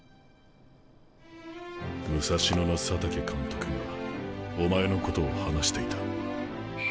武蔵野の佐竹監督がお前のことを話していた。